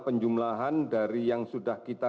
penjumlahan dari yang sudah kita